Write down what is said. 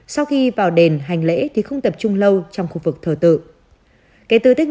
sau khi vào đền hành lễ thì không tập trung lâu trong khu vực thờ tự